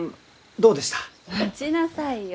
待ちなさいよ！